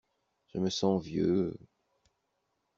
Je me sens vieux.